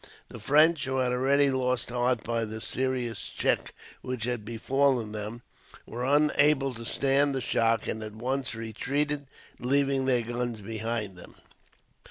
The French, who had already lost heart by the serious check which had befallen them, were unable to stand the shock, and at once retreated, leaving their guns behind them.